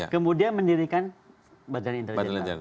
kemudian mendirikan badan intelijen